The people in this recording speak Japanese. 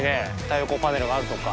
太陽光パネルがあるとか。